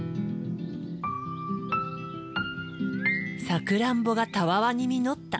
サクランボがたわわに実った。